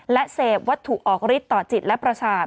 และเสพวัตถุออกฤทธิต่อจิตและประสาท